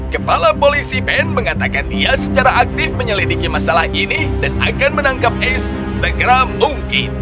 kepala polisi ben mengatakan ia secara aktif menyelidiki masalah ini dan akan menangkap ace segera mungkin